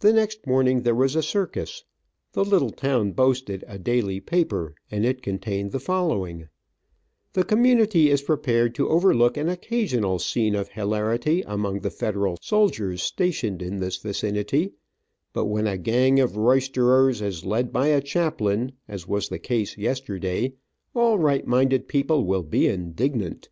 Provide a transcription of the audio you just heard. The next morning there was a circus. The little town boasted, a daily paper, and it contained the following: "The community is prepared to overlook an occasional scene of hilarity among the Federal soldiers stationed in this vicinity, but when a gang of roysterers is led by a chaplain, as was the case yesterday, all right minded people will be indignant.